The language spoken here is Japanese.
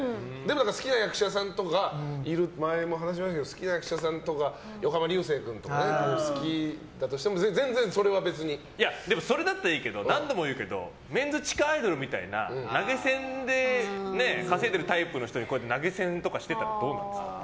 好きな役者さんとか前も話しましたけど横浜流星君とか好きだとしても、全然それは。でもそれだったらいいけど何度も言うけどメンズ地下アイドルみたいな投げ銭で稼いでるタイプの人に投げ銭とかしてたらどうなの？